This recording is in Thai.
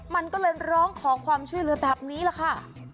มันก็เลยร้องขอความช่วยเหลือแบบนี้แหละค่ะ